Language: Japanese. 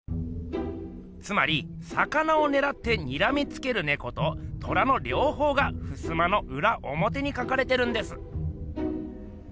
つまり魚をねらってにらみつけるねこと虎のりょうほうがふすまのうらおもてに描かれてるんです。